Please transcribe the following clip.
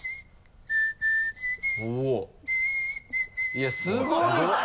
いやすごいって！